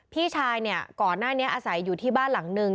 พี่ชายเนี่ยก่อนหน้านี้อาศัยอยู่ที่บ้านหลังนึง